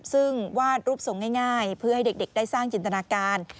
ซึ่งวาดรูปทรงง่ายเพื่อให้เด็กได้สร้างจินตนาการ